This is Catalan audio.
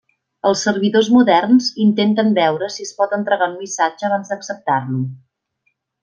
Els servidors moderns intenten veure si es pot entregar un missatge abans d'acceptar-lo.